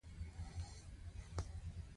خو په منځ کې يې يوه تن د پاتې کېدو پرېکړه وکړه.